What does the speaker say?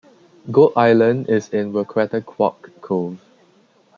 Goat Island is in Wequetequock Cove.